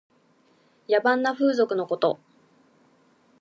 野蛮な風俗のこと。